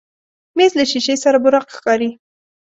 مېز له شیشې سره براق ښکاري.